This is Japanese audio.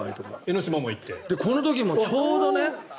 この時もちょうど。